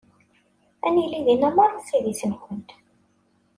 Ad nili din merra s idis-nkent.